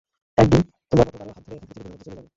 একদিন, তোমার মত কারো হাত ধরে এখান থেকে চিরদিনের মত চলে যাব।